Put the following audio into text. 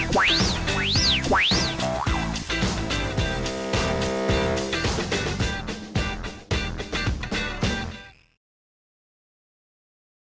โปรดติดตามตอนต่อไป